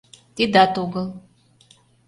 - Тидат огыл...